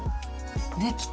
できた！